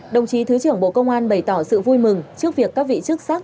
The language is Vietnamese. đồng chí thứ trưởng bộ công an bày tỏ sự vui mừng trước việc các vị chức sắc